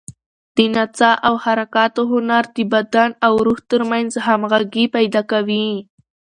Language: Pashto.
د نڅا او حرکاتو هنر د بدن او روح تر منځ همغږي پیدا کوي.